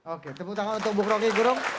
oke tepuk tangan untuk bu kroki gurung